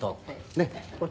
ねっ。